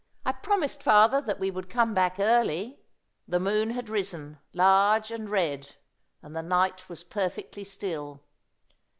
I promised father that we would come back early." The moon had risen, large and red, and the night was perfectly still.